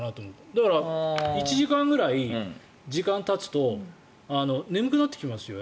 だから、１時間くらい時間がたつと眠くなってきますよ